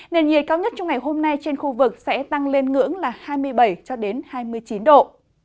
nền nhiệt cao nhất trong ngày hôm nay trên khu vực sẽ tăng lên ngưỡng là hai mươi bảy cho đến hai mươi chín độ